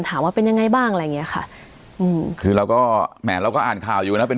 สวัสดีครับทุกผู้ชม